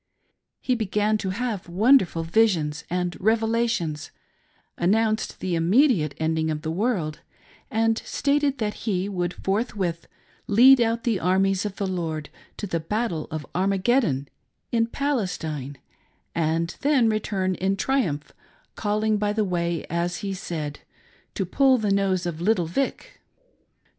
He began to have wonderful visions and revelations, announced the immediate ending of the world, and stated that he would forthwith lead out the armies of the Lord to the battle of Armageddon, in Palestine, and then return in triumph, calling by the way, as he said, " to pull the nose of little Vic.